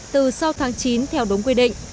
từ sau tháng chín theo đúng quy định